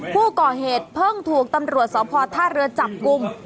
ผู้ก่อเหตุเพิ่งถูกตำรวจสพท่าเรือจับกลุ่ม